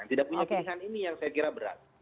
yang tidak punya pilihan ini yang saya kira berat